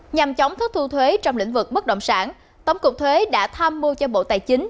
nhằm chống thất thu thuế trong lĩnh vực bất động sản tổng cục thuế đã tham mưu cho bộ tài chính